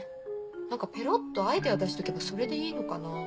何かペロっとアイデア出しとけばそれでいいのかな？